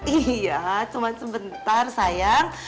iya cuma sebentar sayang